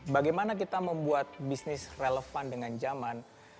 bagaimana kita membuat bisnis relevan dengan zaman